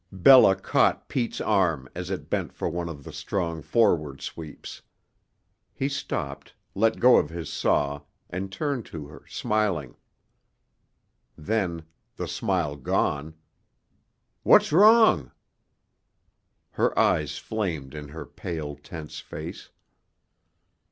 Bella caught Pete's arm as it bent for one of the strong forward sweeps. He stopped, let go of his saw, and turned to her, smiling. Then the smile gone: "What's wrong?" Her eyes flamed in her pale, tense face.